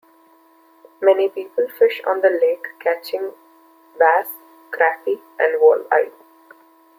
Many people fish on the lake, catching bass, crappie, and walleye.